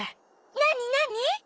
なになに？